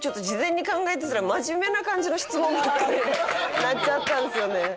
事前に考えてたら真面目な感じの質問ばっかでなっちゃったんですよね。